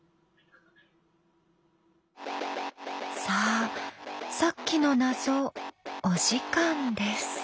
さあさっきの謎お時間です。